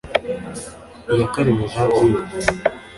Iyakaremye Jean Pierre